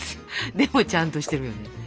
でもちゃんとしてるよね。